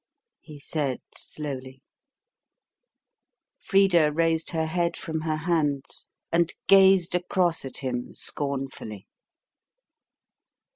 he said slowly. Frida raised her head from her hands and gazed across at him scornfully.